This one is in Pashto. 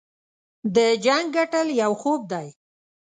د جنګ ګټل یو خوب دی.